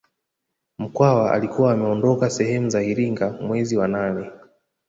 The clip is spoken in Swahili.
Mkwawa alikuwa ameondoka sehemu za Iringa mwezi wa nane